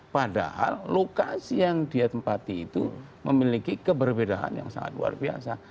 padahal lokasi yang dia tempati itu memiliki keberbedaan yang sangat luar biasa